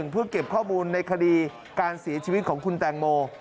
เพื่อเก็บข้อมูลในคดีการเสียชีวิตของคุณแตงโม